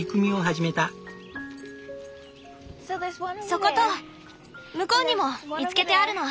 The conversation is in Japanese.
そこと向こうにも見つけてあるの。